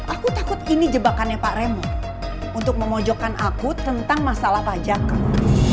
aku takut ini jebakannya pak remo untuk memojokkan aku tentang masalah pajak kamu